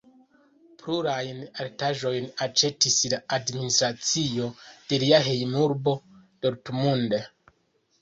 Plurajn artaĵojn aĉetis la administracio de lia hejmurbo Dortmund.